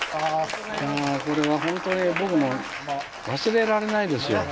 これは本当に僕も忘れられないですよ。